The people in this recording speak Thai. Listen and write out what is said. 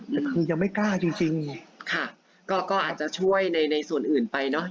แต่คือมันยังไม่กล้าจริงค่ะก็อาจจะช่วยในส่วนอื่นไปเนอะ